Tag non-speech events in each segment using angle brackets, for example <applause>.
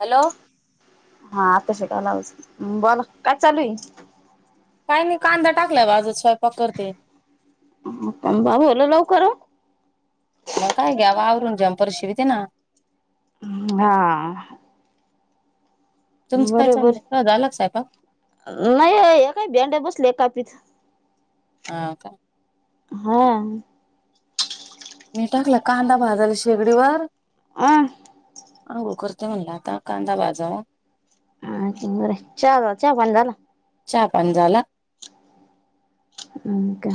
Hello कस काय लावयाच, बोला काय चालू ये? काय नाय कांदा टाकलाय बाजुच्या स्वयंपाक करते. पण बाबो लय लवकर अ मग काय घ्यावा आवरून झंपर शिवीते ना हा तुमचं काय बरोबर, चाललं झाला का स्वयंपाक अ नाई ये हे काय भेंड्या बसलेत कपित अ का हा मी टाकला कांदा भाजला शेगडीवर आह अंघोळ करते म्हणल आता कांदा भाजावा हा का बराये चहा चहापाणी झाला. चहापाणी झाला. अ का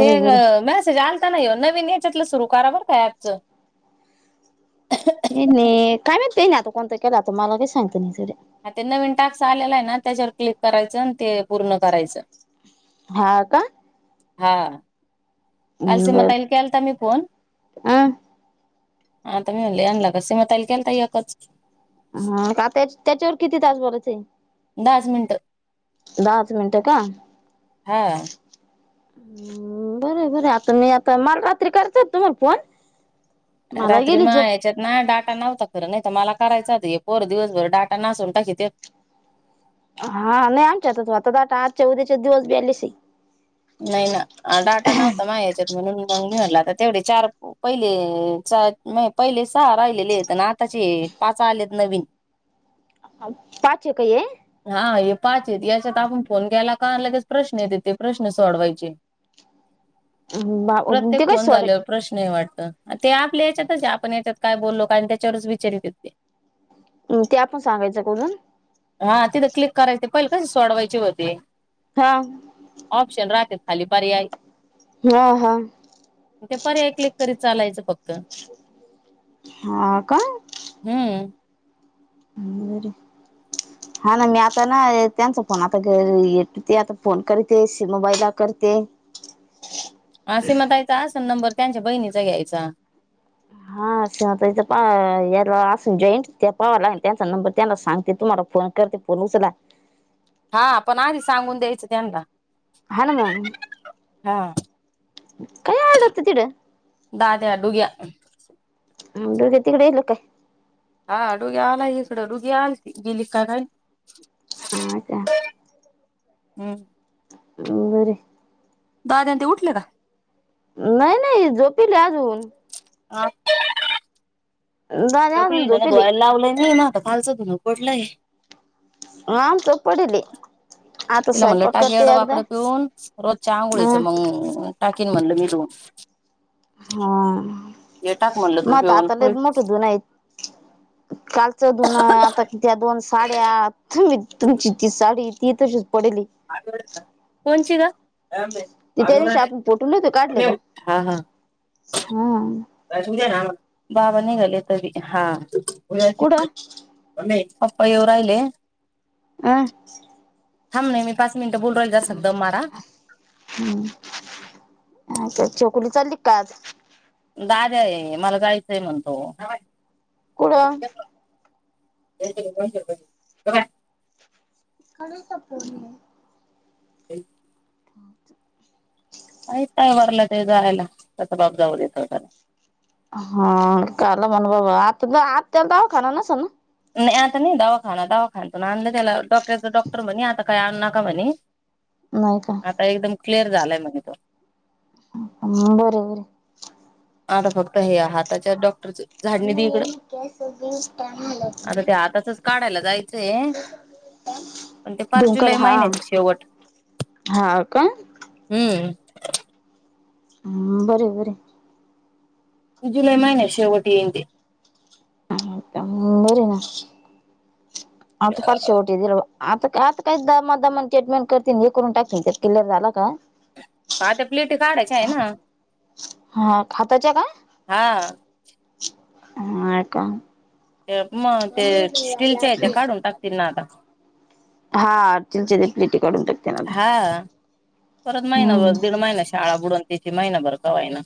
ते अ आहे. मेसेज आल नाही नवीन याच्यातल सुरू करा बर का एप च. तेने काय माहित तेने आत कोणता केला आता मला नयी सांगता येत नइ जाऊद्या. हा ते नवीन टाक्स आलेला आहे ना त्याच्यावर क्लिक करायच आणि ते पूर्ण करायच. हा का. हा. काल हम्म बर सीमातईल केलता मी फोन अ आता मी म्हणले यांना का सुमी ताई ला केलता एकच. ह आता त्याच्या उर किती तास बोलायचये दहाच मिनट दहाच मिनटं का? हा हम् बरये बर आता मी आता माल रात्री करता तुम्हाला फोन? मला रात्री गेली माआ झोप याच्यात ना डाटा नव्हता खर ना त मला करायचं हे पोर दिवसभर डाटा नासून टाकीत्यात. हा नाही, आमच्या आता आता आ आजच्या उद्याच्या दिवस बॅलेसे. नाही ना. अ डाटा नव्हता मायाच्यात. म्हणून मग मी म्हणल आता तेवढे चार पहिले च म पहिले सहा राहिलेलेत ना. आताचे पाच आलेत नवीन पाचे काय हे? पाचेत याच्यात आपण फोन केला का लगेच प्रश्न येतेत ते प्रश्न- सोडवायचे. म बा ते काय सोडाय- त ते आपल्याच्यातचये आपण याच्यात काय बोल्लो काय न त्याच्यावरच विचारितेत ते. हम् ते आपण सांगायच करून? पयील कस सोडवायचे होते, हा. ऑप्शन रात्यात खाली पर्याय. हा हा ते पर्याय क्लिक करीत चालायचं फक्त. हा का हम्म. बर हा ना मी आता ना त्यांचा फोन आता घर य ते आता फोन करते. स मोबाईला करते. आ सिमताईचां असन नंबर- त्यांच्या बहिणीचा घ्यायचा. हा असत्यात पा याला असून जॉईंट, त्या पावा लागन त्यांचा नंबर त्यांना सांगते. तुम्हाला फोन करते. फोन उचला. हा आपण आधी सांगून द्यायचं त्यांनला. हा ना मंग हा काय आर्डत तिकडं? आ ते डुग्या. म डुग्या तिकडं येल काय? हा डुग्या आलाय इकडं. डुगी आलती, गेली का नाय? अ का. हम्म. बरं य. दाद्यांन ते उठले का? नाही नाही झोपीले अजून. अ दादा अजून जोपलेली दुन झोपीले धूवाय लावलनायी म - - कालचं धून पडलय. आमचं पडेले आता तिला म्हणलं स्वयंपाक टाक करते एकदा येडंवाकडं पिऊन रोजच्या आघोळीच ह मंग- टाकीन म्हणल मी धून. हा. म्हणलं म तू आता पिऊन आताल मोठं धुनाइत- - कालच धूनं आता त्या दोन साड्या तुम तुमची ती साडी ती तशी- - कोण ची गं? त त्या दिवशी आपण फोटू नवते काढले का? हा हा हम्. बाबा निघाले तरी हा. कुठं <unintelligible> आप्पा येवु राहिले अ थाम नाही मी पा मिनट बोल रहि जा सध मारा - - चोकुली चालली का आज दादा्या आहे, मला जाायचं आहे म्हणतो कुठं? <unintelligible> खाली सपवली - - एक काय वरला ते जायला, त्याचा बाप जाऊ देत होता. हा काल म्हण बाबा आत आत्याला दवाखाना नसलं ना? नाही आता नाही दवाखाना दवाखान्यातुन आणलं त्याला डॉ त्याचा डॉक्टर म्हणे आता काय आणु नका म्हणे नाही का आता एकदम क्लिअर झालाय म्हने तो. हम् बर बर. आता फक्त हे हाताच्या डॉ मम येल कस दिवस घालवती - - जाई याच आहे, पण ते पार डोंकर जुलै हा महिन्याच्या शेवट, हा का? हम्म हम् बर बर जुलै महिनच्या शेवट येईन ती बर ना आता पार शेवट दीरवा आता आता काही दमा दमन ट्रीटमेंट करतील, हे करून टाकतील क्लिअर झाला का हता प्लेट काढायच आहे ना हा हाताच्या हा ह मा का ते मग ते स्टीलीलचे आहेत ते काढून टाकतील ना आता हा तिलच्या ते प्लेटी काढून टाकते ना आता हा परत महिना हम्म - दीड महिना शाळा बुडून त माहिना बर कावाय ना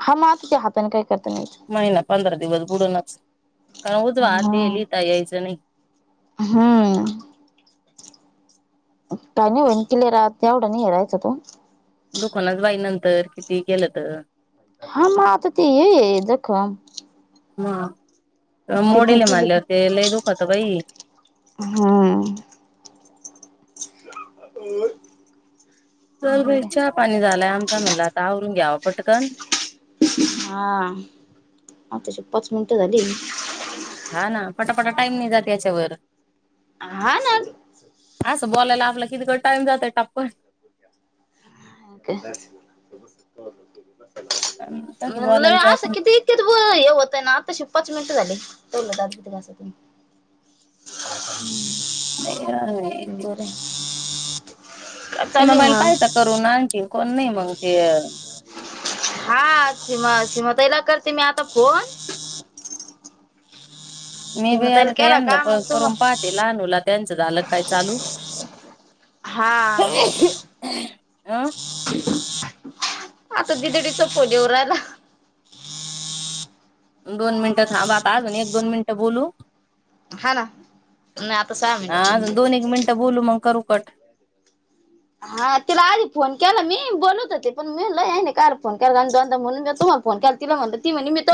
हा मग आता त्या हाताने काय करता नाही येत. महिना पंधरा दिवस बुडून कारण उजवा ते हा लिता ययचे नाहीय हम्म काही नाही होईन किलेर तेवढा नाही हेरायच तू दुकानात जाई नंतर किती गेलं तर हा म आता ते हे ये जखम हा किती मोडेल केली म्हणल्याव ते लय दुखत बाई हम्म चल ग बरे चहा पाणी झालंय आमचा म्हणला आता आवरून घ्याव पटकन हा आताशी पाच मिनटं झाली हा ना पटापटा टाईम नाही जात याच्यावर हा ना असं बोलायला आपला कितीक टाइम जातय टप्पन <unintelligible> तसं म्हणलं बोलायला असं जात किती इक हे होतय ना आता श पाच मिनटं झाली <unintelligible> बरं <inaudible> काय ते चालू आहे मोबाईल पाहाचा मग करू आणखी कोण नाही मग ते.. हा सीमा सीमा ताई ला करते मी आता फोन मी बी सीमाताईला आता केला का यानाला मग तुम करून पाहते लहानूला त्यांचं झालं काय चालू हा अ आता दिदडी चा फोन येऊ राहिला दोन मिनिटं थांब आजुन एक दोन मिनिटं बोलू हा ना नाही आता सहा हा मिनिट अजून दोन एक मिनटं बोलू मग करू कट. हा तिला आधी फोन केला मी बोलत होते पण मी ल नाही काल फोन केला दोनदा म्हणून मी तुम्हाला फोन केला तिला म्हणत.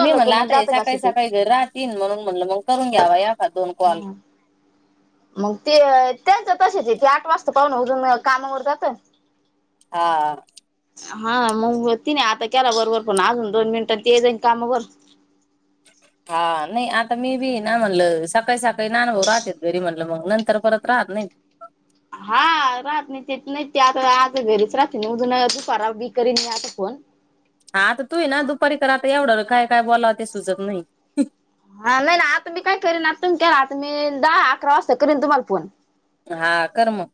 मी म्हणल आता हे सकाळी सकाळी घरी राहतील म्हणून म्हणलं मग. करून घ्यावा याक. ह मग ते त्याच. तशे च् ये ते आठ वाजता पाहुणा अजून कामावर जात. हा. हा मग ति नाही आता केला बरोबर पण अजून दोन मिनिटां त ये जाईन काम बर. हा नाही आता मी बी ना म्हणल सकाळी सकाळी नानभऊ राहते घरी म्हणलं मग नंतर परत राहत नाही. हा राहत नाही ते नाही ते आता आता घेरीच राहते अजून दुपारा बी करीन मी आता फोन हाता तूही ना दुपारी क आता एवढं काय काय बोलावं ते सुचत नाही ही ही. हा नाही नाही आता मी काय करीन आता तु म केला आता मी दहा अकरा वाजता करीन तुम्हाला फोन. हा कर मग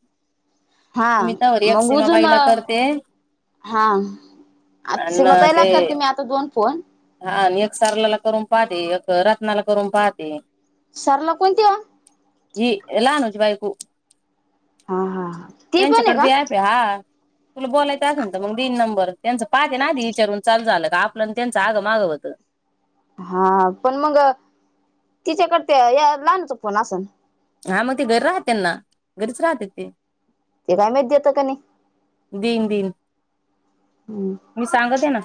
हा मी तवर एक मग उजून सीमाबाईला करते हा आ आणि सीमाताई ला करते मी आता दोन फोन. अ आणि एक सरलाला करून पाहते एक रत्नाला करून पाहते. सरला कोणती ओ? ही लहानू ची बायकु. हा हा ते पण आहे का,? बी ॲप हा तुला बोलायचंचत मग तीन नंबर त्यांचं पाहते ना आी विचारून चाल झालं का आपल्या त्यांच जगमा होत. हा पण मग तिच्याकड या लहानच फोनन असन. हा मग ते घरी राहते त्यांना घरीच राहते ते ते काय माहित देतं का नाही. दिन दिन हम्म मी सांगत आहे ना.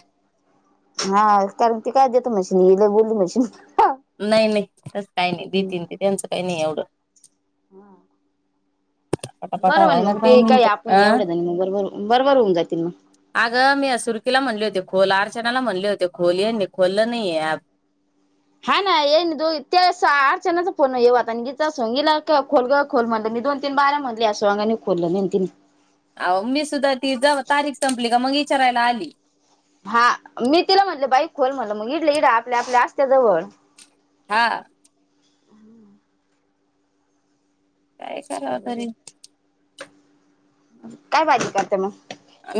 हा कारण ती काय देत म्हशीिनीला बोलली म्हशीन नाही नाही त्याच काही नाही दीतीन ते त्यांचं काही नाही एवढं. पटापटा बरोबर हवा ना मग ते दहा काही मिनिट आपण अ एवढंच मग बरोबर बरोबर होऊन जातील मग. अगं मी सुरकीला म्हणले होते खोल अर्चनाला म्हणले होते खोलली खोललं नाहीे ऍप. हा ना ये दो ते आठचणचा फोन येता गच असिला खोल खोल म्हणलं मी दोन तीन बारा म्हणले असग आणि खोललं न त. अह मी सुद्धा ती जा तारीख संपली का मग विचारायला आली. हा मी तिला म्हटलं बाईक खोलोल म्हटलं मग इडलं इड आपल्या आपल्या असत्या जवळ हा. ह. काय कराव बर तरीे. काय बाजी करते मग?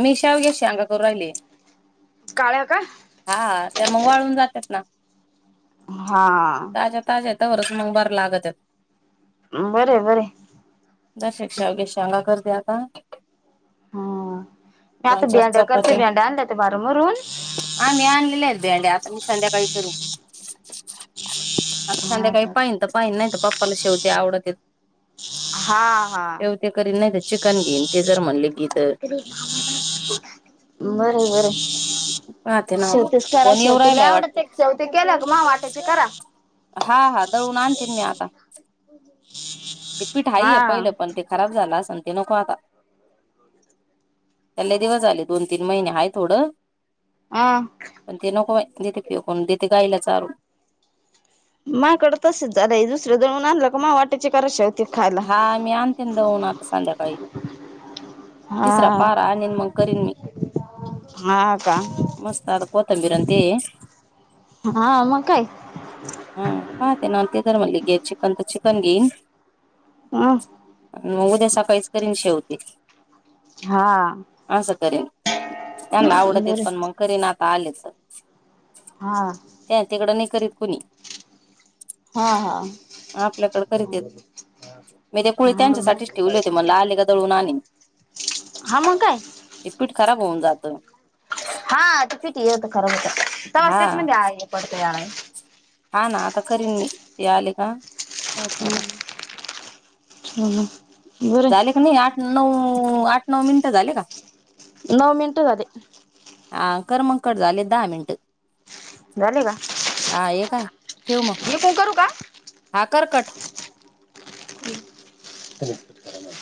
मी शाव घ्या श अगा करू राहिले. काळे का? हा त्या मग वाळून जातात ना. हा. वच मंगबार लागत आहेत. बर बर. दरशिकषावगे शांगा कर द्या का. हा नाही आता भेंडया करते भेंड्या आणल्या ते बारमरून हां मी आणलेेतें आहेत भेंड्या मी ते संध्याकळी कर आ संध्याकाळीपर्यंत हा पाहिन तर पाहिन नाही पप्पाला शेवते आवडत य हा हा चिकन घेईन ते जर म्हणले की तर बर बर पाहते ना आता शेवटच करा फोन येऊ शेवतीला राहिलाय एवडं वाटतं ते शेवते केलं का मग वाटायचे करा हा हा ून आणतीलन मी आता ते पीठाईय हा. पहिलं पण ते खराब झाला अस ते नको आता त्याले दिवस आले दोन तीन महिने हाय थोडं हह पण ते नको देते फेकून देत गाईलाचारू मा कडं तसेच झालंय दुसरं दळून आणलं का मा वाट्याचे कर शा- हा मी आणतेन दळून आता संध्याकाळी तिसरा हा. पारा आनीन मग करीन मी, हा का मस्तड कोथंबीर आणि ते- हा मग काय, हां ते नानके कर म्हणले तर गे चिकन तर चिकन घेईन. ह. मग उद्या सकाळीच करीन शेव ते. हा तेनला आवडतेत बर पण मग करीन ना- पालेच हा. त्या तिकडं नी करीत, कुणी हा हा आपल्याकडे करीत येत मी ते हा कुळी त्यांच्यासाठीच मग. ठेवले होते, मणले आले का दळून आनीन हा मग काय ते पीठ खराब होऊन जात. पाच तिचं मिनिट आहे पड <unintelligible> हा ना आता करीन मी ते आले का? हम् हम् झाले का नाही आठ नऊ - नऊ आठ नऊ मिनिटं झाले का? नऊ मिनिटं झाले. हां कर मगं कट झाले दहा मिनिट. झाले का हा एक हाय ठेव मग मी फोन करू का? हा कर कट. <unintelligible>